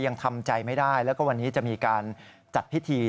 ยังทำใจไม่ได้แล้วก็วันนี้จะมีการจัดพิธี